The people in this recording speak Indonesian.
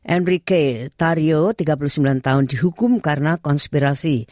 enrique taryo tiga puluh sembilan tahun dihukum karena konspirasi